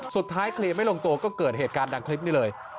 เคลียร์ไม่ลงตัวก็เกิดเหตุการณ์ดังคลิปนี้เลย